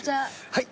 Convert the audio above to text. はい。